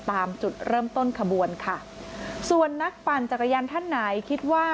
ตามจุดเริ่มต้นขบวนค่ะส่วนนักปั่นจักรยานท่านไหนคิดว่า